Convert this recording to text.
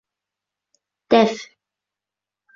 — Тәф!